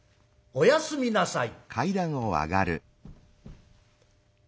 「おやすみなさい。